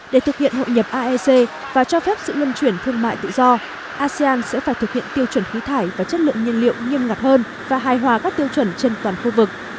để thực hiện hội nhập aec và cho phép sự luân chuyển thương mại tự do asean sẽ phải thực hiện tiêu chuẩn khí thải và chất lượng nhiên liệu nghiêm ngặt hơn và hài hòa các tiêu chuẩn trên toàn khu vực